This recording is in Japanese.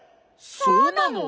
そうなの？